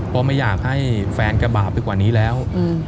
เพราะไม่อยากให้แฟนกระบาปไปกว่านี้แล้ว